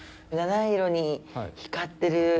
七色に光ってる。